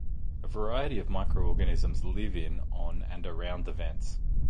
A variety of microorganisms live in, on, and around the vents.